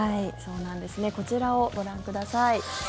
こちらをご覧ください。